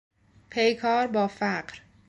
پیکار بافقر